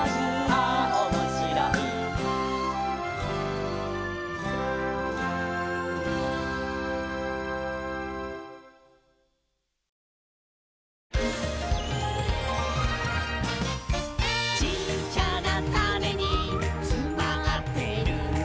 「ああおもしろい」「ちっちゃなタネにつまってるんだ」